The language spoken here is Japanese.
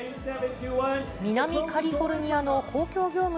南カリフォルニアの公共業務